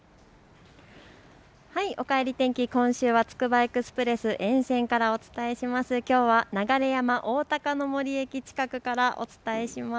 おかえり天気、今週はつくばエクスプレス沿線からお伝えします。